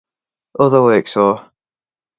Other works are